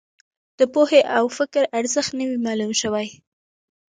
د پوهې او فکر ارزښت نه وي معلوم شوی.